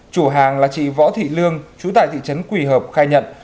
chủ hàng là chị võ thị lương chú tại thị trấn quỳ hợp khai nhận